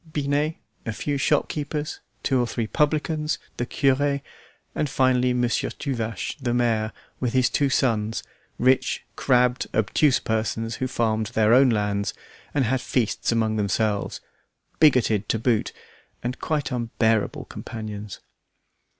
Binet, a few shopkeepers, two or three publicans, the cure, and finally, Monsieur Tuvache, the mayor, with his two sons, rich, crabbed, obtuse persons, who farmed their own lands and had feasts among themselves, bigoted to boot, and quite unbearable companions.